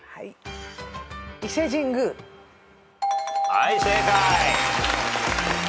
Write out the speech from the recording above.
はい正解。